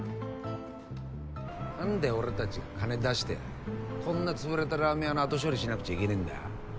なんで俺たちが金出してこんな潰れたラーメン屋の後処理しなくちゃいけねぇんだよ。